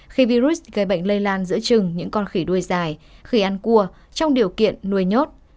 khi virus gây bệnh lây lan giữa trừng những con khỉ đuôi dài khi ăn cua trong điều kiện nuôi nhốt